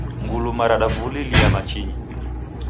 Nguluma radavululia machinyi.